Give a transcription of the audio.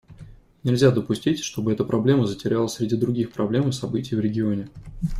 Нельзя допустить, чтобы эта проблема затерялась среди других проблем и событий в регионе.